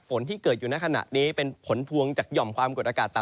ที่เกิดอยู่ในขณะนี้เป็นผลพวงจากหย่อมความกดอากาศต่ำ